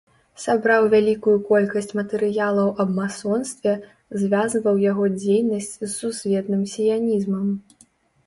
Сабраў вялікую колькасць матэрыялаў аб масонстве, звязваў яго дзейнасць з сусветным сіянізмам.